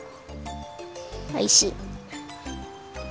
おいしい。